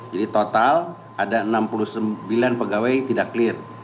jadi total ada enam puluh sembilan pegawai tidak clear